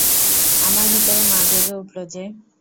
আমার ভিতরে মা জেগে উঠল যে!